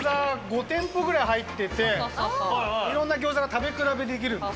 ５店舗ぐらい入ってていろんな餃子が食べ比べできるんです。